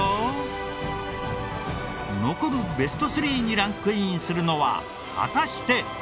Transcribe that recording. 残るベスト３にランクインするのは果たして！